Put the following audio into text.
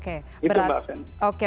itu mbak feni